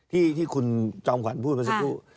ที่คุณจอมขวัญพูดมาสักครู่